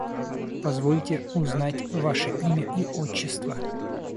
Позвольте узнать ваше имя и отчество?